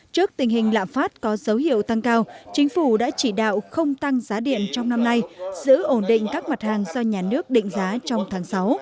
trước tình hình lạm phát có dấu hiệu tăng cao chính phủ đã chỉ đạo không tăng giá điện trong năm nay giữ ổn định các mặt hàng do nhà nước định giá trong tháng sáu